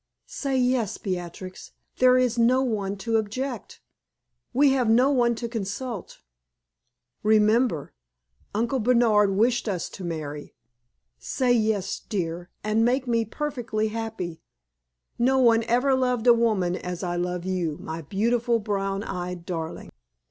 "Say yes, Beatrix. There is no one to object. We have no one to consult. Remember, Uncle Bernard wished us to marry. Say yes, dear, and make me perfectly happy. No one ever loved a woman as I love you, my beautiful brown eyed darling!"